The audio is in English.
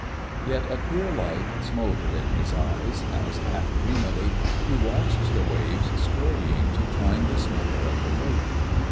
Yet a queer light smouldered in his eyes as half dreamily he watched the waves scurrying to join the smother of the wake.